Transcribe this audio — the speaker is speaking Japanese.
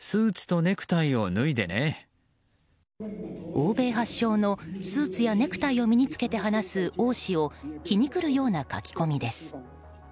欧米発祥のスーツやネクタイを身に付けて話す王氏を皮肉るような書き込みです。